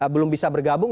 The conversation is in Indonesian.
belum bisa bergabung